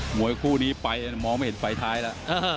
มวยคู่นี้ไปมองไม่เห็นไฟท้ายแล้ว